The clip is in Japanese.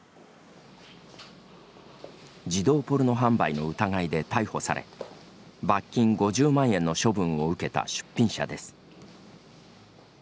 児童ポルノ販売の疑いで逮捕され罰金５０万円の処分を受けた出品者です。